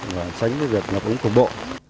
và tránh việc ngập úng cục bộ